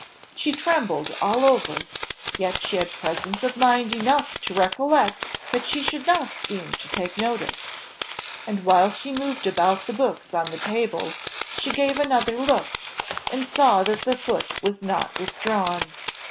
She trembled all over; yet she had presence of mind enough to recollect that she should not seem to take notice. And, while she moved about the books on the table, she gave another look, and saw that the foot was not withdrawn.